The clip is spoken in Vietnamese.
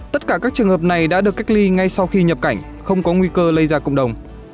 tất cả các trường hợp này đã được cách ly ngay sau khi nhập cảnh không có nguy cơ lây ra cộng đồng